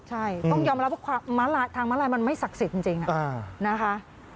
ใช่ต้องยอมรับว่าทางม้าลายมันไม่ศักดิ์สิทธิ์จริงนะคะ